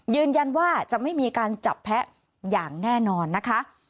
ยืนยันว่าจะไม่มีการจับแพ้อย่างแน่นอนนะคะ